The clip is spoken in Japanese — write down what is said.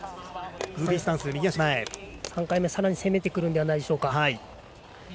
３回目さらに攻めてくるのではないでしょうか。